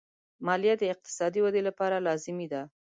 مالیه د اقتصادي ودې لپاره لازمي ده.